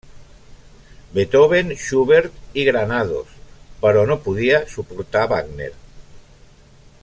Beethoven, Schubert i Granados, però no podia suportar Wagner.